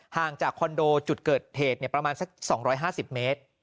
ห่างจากคอนโดจุดเกิดเหตุประมาณสัก๒๕๐เมตร